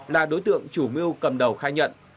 là đối tượng chủ mưu cầm đầu khai nhận